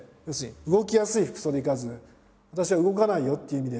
動きやすい服装で行かず私は動かないよっていう意味で。